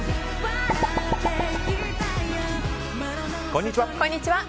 こんにちは。